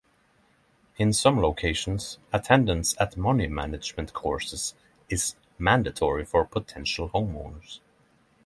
In some locations, attendance at money management courses is mandatory for potential homeowners.